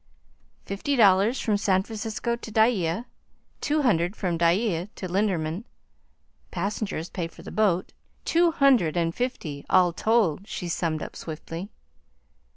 "Fifty dollars from San Francisco to Dyea, two hundred from Dyea to Linderman, passengers pay for the boat two hundred and fifty all told," she summed up swiftly.